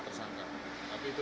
setio juga mempertanyakan